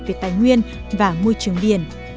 về tài nguyên và môi trường biển